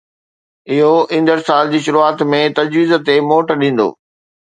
اهو ايندڙ سال جي شروعات ۾ تجويز تي موٽ ڏيندو